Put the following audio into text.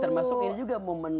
termasuk ini juga momen